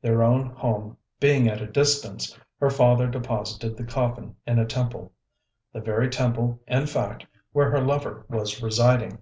Their own home being at a distance, her father deposited the coffin in a temple; the very temple, in fact, where her lover was residing.